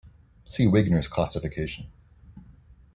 See Wigner's classification.